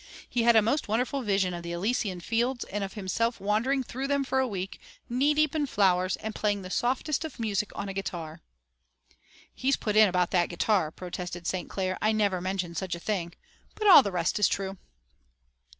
He had a most wonderful vision of the Elysian fields and of himself wandering through them for a week, knee deep in flowers, and playing the softest of music on a guitar." "He's put that in about the guitar," protested St. Clair. "I never mentioned such a thing, but all the rest is true."